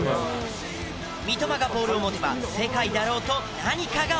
三笘がボールを持てば世界だろうと何かが起こる。